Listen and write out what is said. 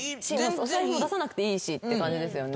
お財布も出さなくていいしって感じですよね。